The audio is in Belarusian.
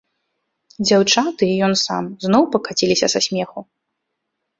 Дзяўчаты і ён сам зноў пакаціліся са смеху.